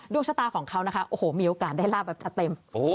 ชะตาของเขานะคะโอ้โหมีโอกาสได้ลาบแบบจะเต็ม